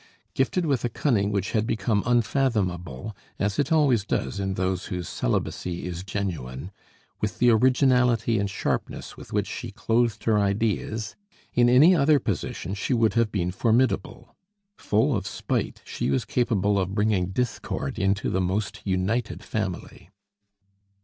Gifted with a cunning which had become unfathomable, as it always does in those whose celibacy is genuine, with the originality and sharpness with which she clothed her ideas, in any other position she would have been formidable. Full of spite, she was capable of bringing discord into the most united family.